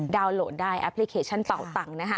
โหลดได้แอปพลิเคชันเป่าตังค์นะฮะ